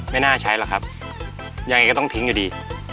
ไม่น่าใช้หรอกครับยังไงก็ต้องทิ้งอยู่ดี